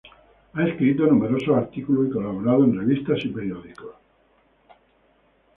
Ha escrito numerosos artículos y colaborado en revistas y periódicos.